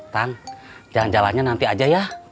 tan jalan jalannya nanti aja ya